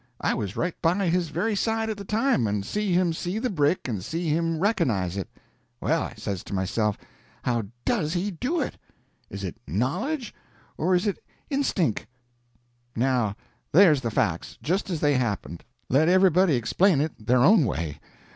I was right by his very side at the time, and see him see the brick and see him reconnize it. Well, I says to myself, how does he do it? Is it knowledge, or is it instink? Now there's the facts, just as they happened: let everybody explain it their own way.